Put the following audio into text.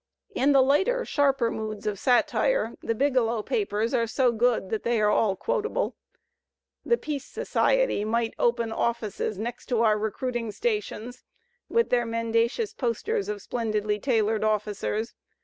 In the lighter, sharper moods of satire *'The Biglow Papers" are so good that they are all quotable. The Peace Society might open offices next to our recruiting stations (with their mendacious posters of splendidly tailored officers)!